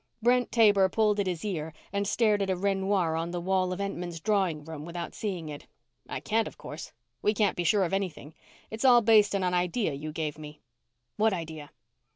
Brent Taber pulled at his ear and stared at a Renoir on the wall of Entman's drawing room without seeing it. "I can't, of course. We can't be sure of anything. It's all based on an idea you gave me." "What idea?"